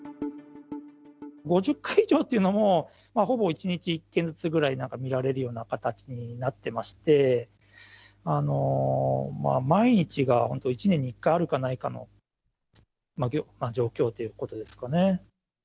５０回以上というのも、ほぼ１日１件ずつぐらい見られるような形になってまして、毎日が本当１年に１回あるかないかの状況ということですかね。